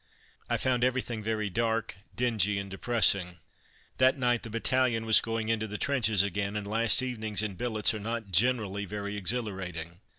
I found everything very dark, dingy and depressing. That night the battalion was going into the trenches again, and last evenings in billets are not generally very exhilarating.